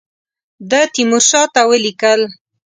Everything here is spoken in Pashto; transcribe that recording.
ده تیمورشاه ته ولیکل.